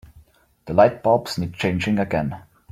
The lightbulbs need changing again.